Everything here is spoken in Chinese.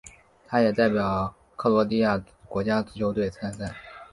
他也代表克罗地亚国家足球队参赛。